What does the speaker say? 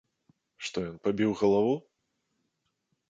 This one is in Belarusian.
Што ён пабіў галаву?